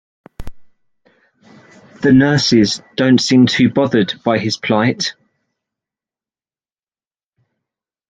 The nurses don't seem too bothered by his plight.